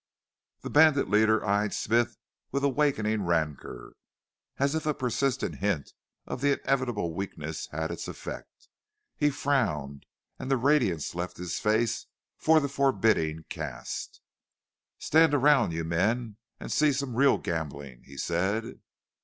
The bandit leader eyed Smith with awakening rancor, as if a persistent hint of inevitable weakness had its effect. He frowned, and the radiance left his face for the forbidding cast. "Stand around, you men, and see some real gambling," he said.